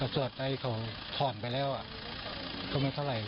ส่วนไปเขาผ่อนไปแล้วก็ไม่เท่าไหร่